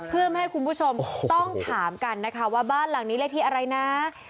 เพื่อไม่ให้คุณผู้ชมต้องถามกันนะคะว่าบ้านหลังนี้เลขที่อะไรนะ